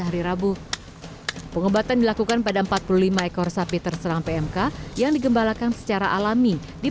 hari rabu pengobatan dilakukan pada empat puluh lima ekor sapi terserang pmk yang digembalakan secara alami di